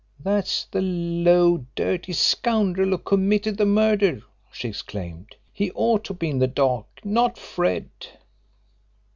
"That's the low, dirty scoundrel who committed the murder," she exclaimed. "He ought to be in the dock not Fred."